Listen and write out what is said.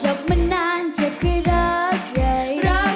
รักไม่มาจากผู้ใช้ค่ะตัว